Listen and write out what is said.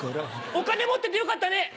お金持っててよかったね！